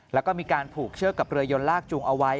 แล้วก็มีการผูกเชือกกับเรือยนลากจูงเอาไว้